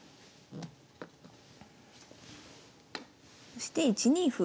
そして１二歩。